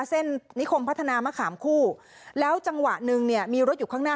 นิคมพัฒนามะขามคู่แล้วจังหวะหนึ่งเนี่ยมีรถอยู่ข้างหน้า